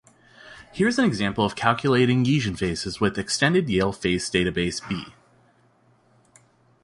Here is an example of calculating eigenfaces with Extended Yale Face Database B.